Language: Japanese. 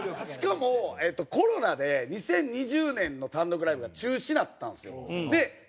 しかもえっとコロナで２０２０年の単独ライブが中止になったんですよ。